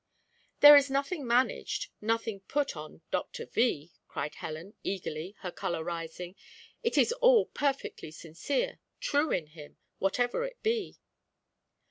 "There is nothing managed, nothing put on in Doctor V ," cried Helen, eagerly, her colour rising; "it is all perfectly sincere, true in him, whatever it be."